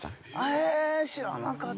へえ知らなかった。